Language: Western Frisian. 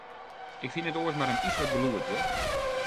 Ik fyn it oars mar in yslik gelûd, hear.